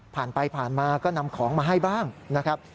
ผ่านไปผ่านมาก็นำของมาให้บ้างนะครับ